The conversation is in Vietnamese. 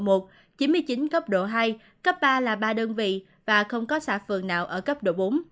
ở cấp độ hai cấp ba là ba đơn vị và không có xã phường nào ở cấp độ bốn